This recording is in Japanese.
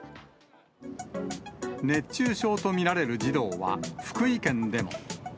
熱中症と見られる児童は福井県でも。